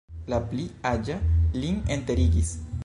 La pli aĝa lin enterigis.